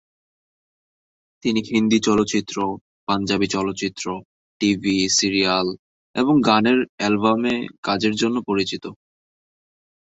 তিনি হিন্দি চলচ্চিত্র, পাঞ্জাবী চলচ্চিত্র, টিভি সিরিয়াল এবং গানের অ্যালবামে কাজের জন্য পরিচিত।